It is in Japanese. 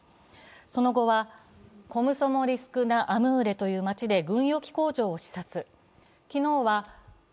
その後はコムソモリスク・ナ・アムーレという町で軍用機工場を視察。